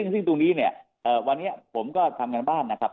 ซึ่งตรงนี้เนี่ยวันนี้ผมก็ทำงานบ้านนะครับ